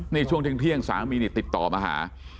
นี่ช่วงเที่ยงสามีนี่ติดต่อมาหา